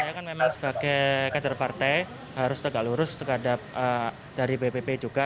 saya kan memang sebagai kader partai harus tegak lurus terhadap dari bpp juga